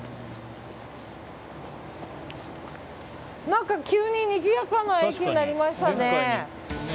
なんか急ににぎやかな駅になりましたね。